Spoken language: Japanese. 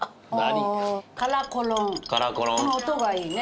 この音がいいね。